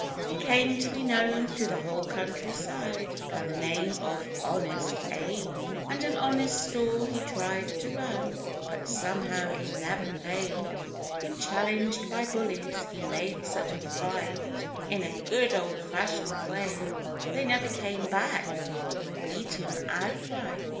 He came to be known thru the whole country side, By the name of "Honest Abe," And an honest store he tried to run, But somehow it never paid. When challenged by "bullies" he made nich a fight, In a good old fashioned way, 28 LIFE WAVES They never came back, they were beaten outright.